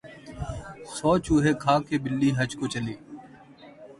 سو چوہے کھا کے بلی حج کو چلی